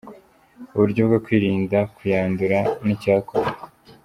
uburyo bwo kwirinda kuyandura n’icyakorwa